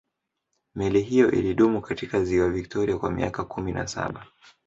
meli hiyo ilidumu katika ziwa victoria kwa miaka kumi na saba